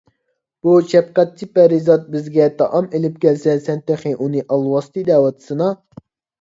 بۇ شەپقەتچى پەرىزات بىزگە تائام ئېلىپ كەلسە، سەن تېخى ئۇنى ئالۋاستى دەۋاتىسىنا؟